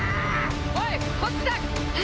おいこっちだ！